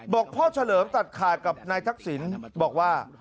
บอกพ่อเฉลิมตัดข่ายกับนายทักศิลป์บอกว่า